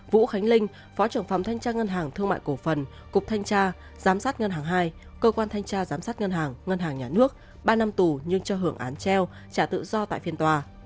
vũ khánh linh phó trưởng phòng thanh tra ngân hàng thương mại cổ phần cục thanh tra giám sát ngân hàng hai cơ quan thanh tra giám sát ngân hàng ngân hàng nhà nước ba năm tù nhưng cho hưởng án treo trả tự do tại phiên tòa